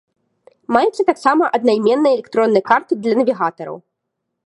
Маюцца таксама аднайменныя электронныя карты для навігатараў.